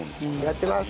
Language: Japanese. やってます。